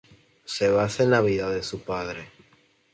Se basa en la vida de su padre.